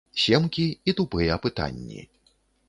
Семкі і тупыя пытанні.